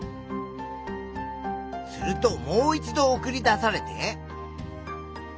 するともう一度送り出されて。